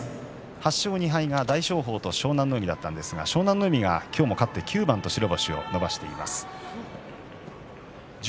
８勝２敗が大翔鵬と湘南乃海だったんですが湘南乃海が今日も勝って９番と白星を伸ばしています。